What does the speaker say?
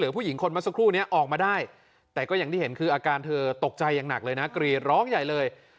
ประการเธอตกใจอย่างหนักเลยนะเกรียดร้องใหญ่เลย